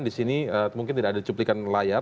di sini mungkin tidak ada cuplikan layar